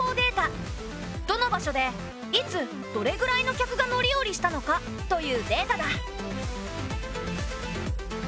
どの場所でいつどれぐらいの客が乗り降りしたのかというデータだ。